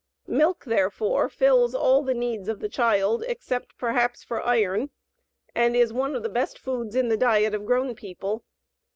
Milk, therefore, fills all the needs of the child, except, perhaps, for iron, and is one of the best foods in the diet of grown people.